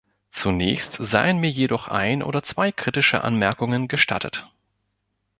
Zunächst seien mir jedoch ein oder zwei kritische Anmerkungen gestattet.